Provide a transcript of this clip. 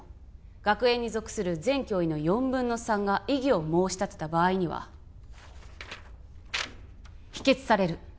「学園に属する全教員の４分の３が異議を申し立てた場合には」「否決される」